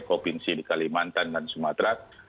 provinsi di kalimantan dan sumatera